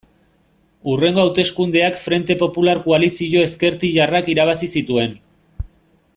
Hurrengo hauteskundeak Frente Popular koalizio ezkertiarrak irabazi zituen.